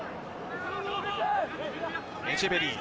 エチェベリー。